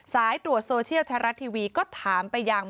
สายตรวจโซเชียลไทยรัฐทีวีก็ถามไปยัง